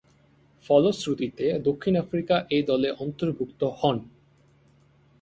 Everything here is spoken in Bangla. ফলশ্রুতিতে দক্ষিণ আফ্রিকা এ দলে অন্তর্ভুক্ত হন।